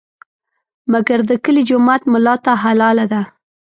مګر د کلي جومات ملا ته حلاله ده.